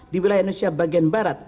di wilayah indonesia bagian barat